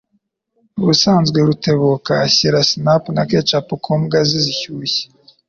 Ubusanzwe Rutebuka ashyira sinapi na ketchup ku mbwa ze zishyushye.